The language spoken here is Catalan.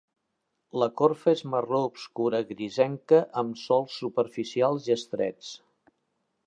La corfa és marró obscura grisenca amb solcs superficials i estrets.